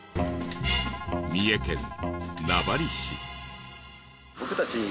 三重県名張市。